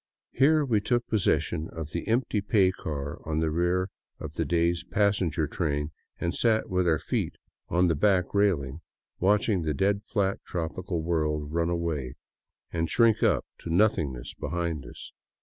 Here we took possession of the empty pay car on the rear of the day's passenger train and sat with our feet on the back raiHng, watching the dead flat tropical world run away and shrink up to nothingness behind us.